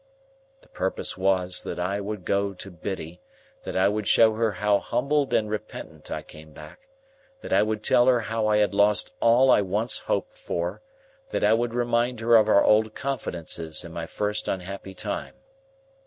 The purpose was, that I would go to Biddy, that I would show her how humbled and repentant I came back, that I would tell her how I had lost all I once hoped for, that I would remind her of our old confidences in my first unhappy time.